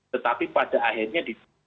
tetapi pada akhirnya